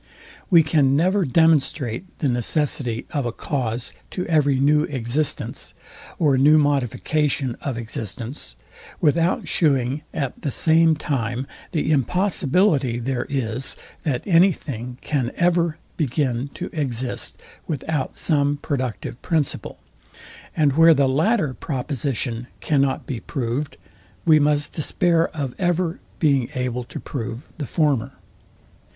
We can never demonstrate the necessity of a cause to every new existence, or new modification of existence, without shewing at the same time the impossibility there is, that any thing can ever begin to exist without some productive principle; and where the latter proposition cannot be proved, we must despair of ever being able to prove the former.